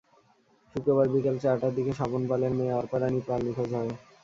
শুক্রবার বিকেল চারটার দিকে স্বপন পালের মেয়ে অর্পা রানী পাল নিখোঁজ হয়।